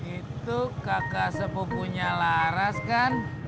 itu kakak sepupunya laras kan